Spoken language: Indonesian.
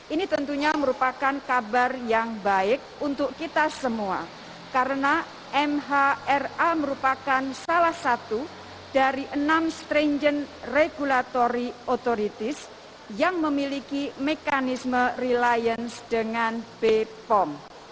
ini tentunya merupakan kabar yang baik untuk kita semua karena mhra merupakan salah satu dari enam strange regulatory authoritis yang memiliki mekanisme reliance dengan bepom